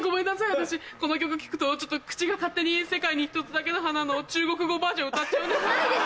私この曲聞くと口が勝手に『世界に一つだけの花』の中国語バージョン歌っちゃうんです。